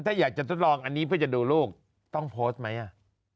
ถ้าอยากจะทดลองอันนี้เพื่อจะดูลูกต้องโพสต์ไหมอ่ะ